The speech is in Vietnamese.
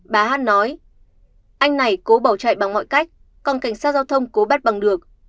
bà hát nói anh này cố bỏ chạy bằng mọi cách còn cảnh sát giao thông cố bắt bằng được